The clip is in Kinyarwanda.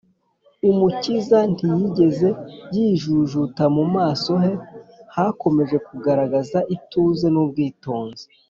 umukiza ntiyigeze yijujuta mu maso he hakomeje kugaragaza ituze n’ubwitonzi,